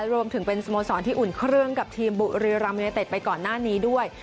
รวมถึงเป็นสโมสรที่อุ่นเครื่องกับทีมบุรีรัมยูเนเต็ดไปก่อนหน้านี้ด้วย